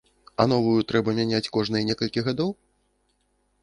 А новую трэба мяняць кожныя некалькі гадоў?